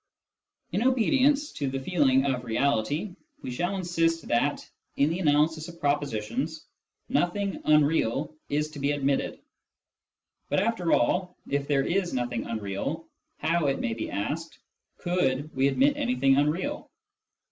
In obedience to the feeling of reality, we shall insist that, in the analysis of propositions, nothing " unreal " is to be admitted. But, after all, if there is nothing unreal, how, it may be asked, could we admit anything unreal